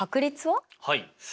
はい。